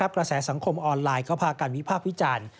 กระแสสังคมออนไลน์ก็พากันวิพากษ์วิจารณ์